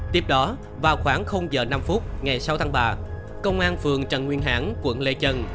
tiếp đó vào khoảng giờ năm phút ngày sáu tháng ba công an phường trần nguyên hãng quận lê trân